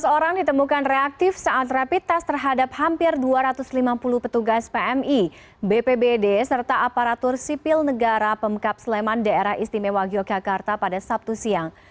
lima belas orang ditemukan reaktif saat rapid test terhadap hampir dua ratus lima puluh petugas pmi bpbd serta aparatur sipil negara pemkap sleman daerah istimewa yogyakarta pada sabtu siang